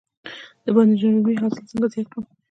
د بانجان رومي حاصل څنګه زیات کړم؟